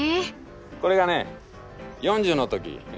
これがね４０の時。